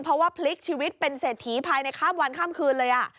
เพราะว่าพลิกชีวิตเป็นเศรษฐีภายในข้ามวันข้ามคืนเลย